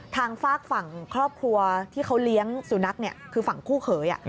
ทางฝากฝั่งครอบครัวที่เขาเลี้ยงสุนัขคือฝั่งคู่เขย